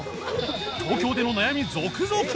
東京での悩み続々！